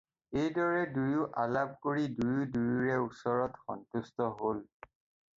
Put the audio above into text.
এইদৰে দুয়ো আলাপ কৰি দুয়ো দুয়োৰো ওচৰত সন্তুষ্ট হ'ল।